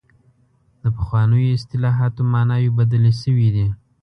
د پخوانیو اصطلاحاتو معناوې بدلې شوې دي.